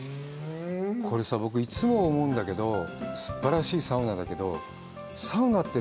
これさ、僕、いつも思うんだけど、すっばらしいサウナだけど、サウナって